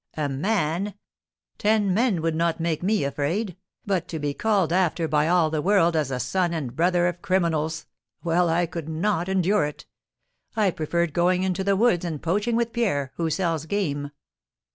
"A man? ten men would not make me afraid! But to be called after by all the world as the son and brother of criminals! Well, I could not endure it. I preferred going into the woods and poaching with Pierre, who sells game."